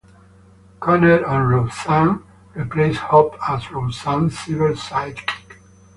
Conner on "Roseanne", replaced Hope as Roseanne's cyber sidekick.